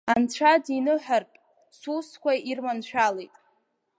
Анцәа диныҳәартә, сусқәа ирманшәалеит.